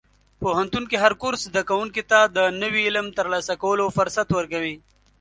پوهنتون کې هر کورس زده کوونکي ته د نوي علم ترلاسه کولو فرصت ورکوي.